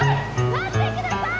待ってください！